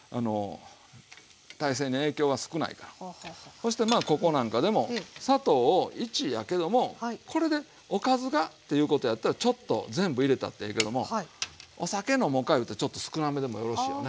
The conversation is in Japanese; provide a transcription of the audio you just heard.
そしてまあここなんかでも砂糖を１やけどもこれでおかずがっていうことやったらちょっと全部入れたってええけどもお酒のもんかいうたらちょっと少なめでもよろしいよね。